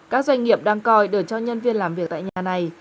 các doanh nghiệp đang coi đều cho nhân viên làm việc tại nhà này